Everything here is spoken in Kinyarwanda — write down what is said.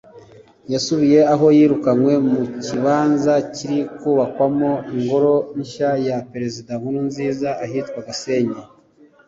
yasubiye aho yirukanwe mu kibanza kiri kubakwamo ingoro nshya ya perezida Nkurunziza ahitwa Gasenyi